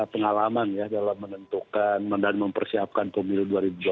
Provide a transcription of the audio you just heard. pengalaman ya dalam menentukan dan mempersiapkan pemilu dua ribu dua puluh